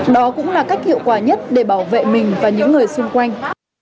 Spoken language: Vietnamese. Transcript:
đó cũng là cách hiệu quả nhất để bảo vệ mình và những người xung quanh